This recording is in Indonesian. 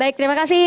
baik terima kasih